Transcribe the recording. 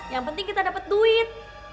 yang penting kita dapat duit